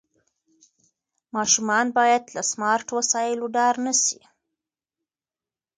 ماشومان باید له سمارټ وسایلو ډار نه سي.